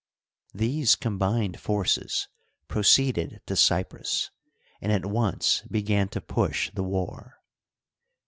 These combined forces proceeded to Cyprus, and at once began to push the war.